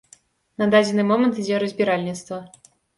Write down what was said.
На дадзены момант ідзе разбіральніцтва.